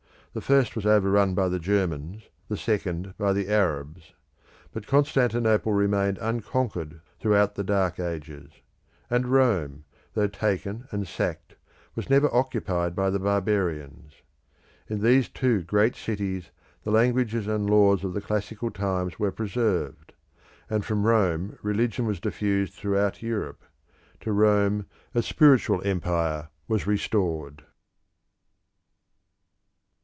The first was overrun by the Germans, the second by the Arabs. But Constantinople remained unconquered throughout the Dark Ages; and Rome, though taken and sacked, was never occupied by the barbarians. In these two great cities the languages and laws of the classical times were preserved; and from Rome religion was diffused throughout Europe; to Rome a spiritual empire was restored.